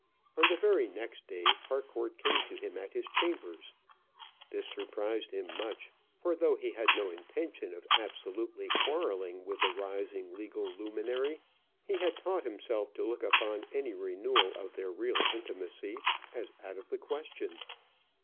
On the very next day Harcourt came to him at his chambers. This surprised him much. For though he had no intention of absolutely quarrelling with the rising legal luminary, he had taught himself to look upon any renewal of their real intimacy as out of the question.